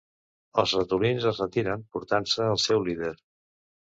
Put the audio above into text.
Els ratolins es retiren portant-se al seu líder.